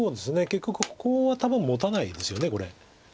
結局ここは多分もたないですよねこれ。